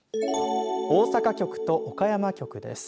大阪局と岡山局です。